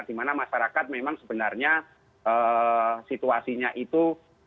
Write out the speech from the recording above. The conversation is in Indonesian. dimana masyarakat memang sebenarnya situasinya itu